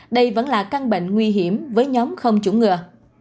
đây vẫn là căng bệnh nguy hiểm với nhóm không chủng ngừa